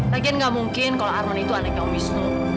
lagian gak mungkin kalau arman itu anaknya om wisnu